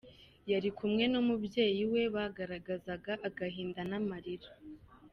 Yari kumwe n’umubyeyi we bagaragazaga agahinda n’amarira.